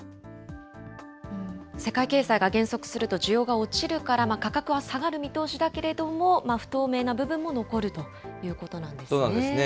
世界経済が減速すると、需要が落ちるから、価格は下がる見通しだけれども、不透明な部分も残るということなんですね。